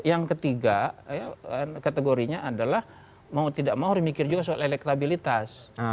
yang ketiga kategorinya adalah mau tidak mau harus mikir juga soal elektabilitas